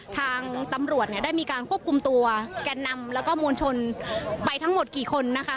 ทางตำรวจเนี่ยได้มีการควบคุมตัวแก่นนำแล้วก็มวลชนไปทั้งหมดกี่คนนะคะ